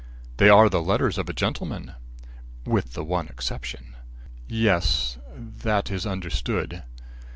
"They are the letters of a gentleman." "With the one exception." "Yes, that is understood."